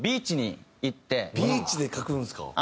ビーチで書くんですか？